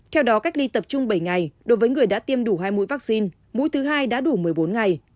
theo đó cách ly tập trung bảy ngày đối với người đã tiêm đủ hai mũi vaccine mũi thứ hai đã đủ một mươi bốn ngày